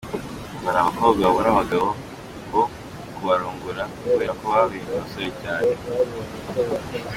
Ngo hari abakobwa babura abagabo bo kubarongora kubera ko babenze abasore cyane.